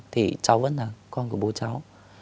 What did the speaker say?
thì cháu vẫn là con của bố cháu